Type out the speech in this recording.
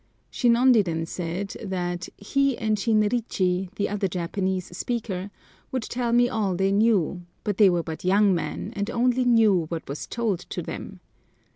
Shinondi then said "that he and Shinrichi, the other Japanese speaker, would tell me all they knew, but they were but young men, and only knew what was told to them.